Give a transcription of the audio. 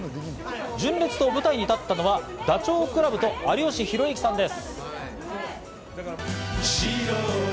純烈と舞台に立ったのはダチョウ倶楽部と有吉弘行さんです。